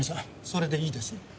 それでいいですね？